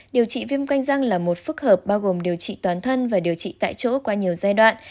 điều trị viêm canh răng là một phức hợp bao gồm điều trị toàn thân và điều trị tại chỗ qua nhiều giai đoạn